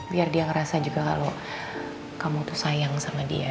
biar dia ngerasa juga kalau kamu tuh sayang sama dia